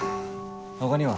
他には？